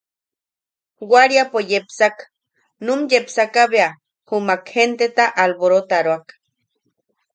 Waariapo yepsak, num yepsaka bea jumak jenteta alborotaroak.